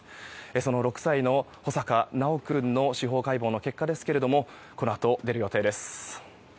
その６歳の穂坂修君の司法解剖の結果ですけれどもこのあと出る予定です。